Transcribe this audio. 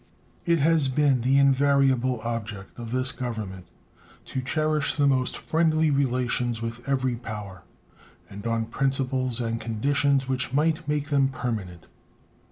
It has been the invariable object of this Government to cherish the most friendly relations with every power, and on principles and conditions which might make them permanent.